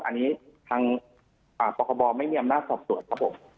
อันนี้ทางอ่าปคบไม่เนียมน่าสอบสวนครับผม